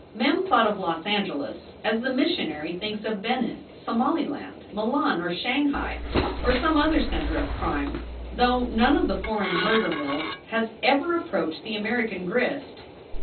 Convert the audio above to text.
Mem thought of Los Angeles as the missionary thinks of Benin, Somaliland, Milan, or Shanghai, or some other center of crime, though none of the foreign murder mills has ever approached the American grist.